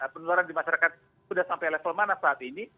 penularan di masyarakat sudah sampai level mana saat ini